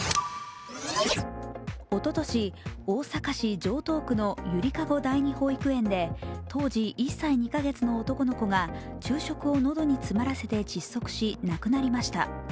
おととし、大阪市城東区のゆりかご第２保育園で当時１歳２か月の男の子が昼食を喉に詰まらせて窒息し、亡くなりました。